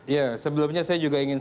ya sebelumnya saya juga ingin